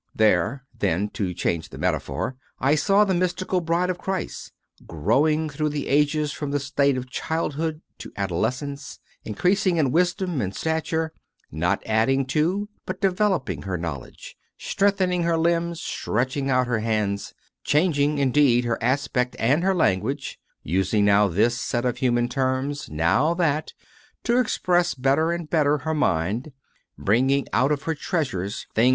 4. There, then, to change the metaphor, I saw the mystical Bride of Christ, growing through the ages from the state of childhood to adolescence, increasing in wisdom and stature, not adding to but developing her knowledge, strengthening her limbs, stretching out her hands; changing, indeed, her aspect and her language using now this set of human terms, now that, to express better and better her mind; bringing out of her treasures things 1 "A City Set on a Hill."